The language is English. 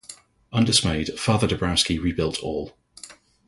Undismayed, Father Dabrowski rebuilt all.